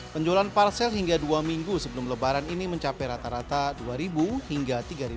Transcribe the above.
penjualan parsel hingga dua minggu sebelum lebaran ini mencapai rata rata dua ribu hingga